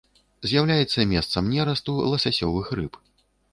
З'яўляецца месцам нерасту ласасёвых рыб.